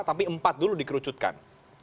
tapi empat dulu dikerucutkan